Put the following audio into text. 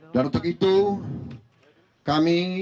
dan untuk itu kami